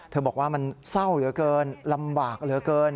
บอกว่ามันเศร้าเหลือเกินลำบากเหลือเกิน